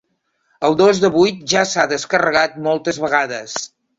El dos de vuit ja s'ha descarregat moltes vegades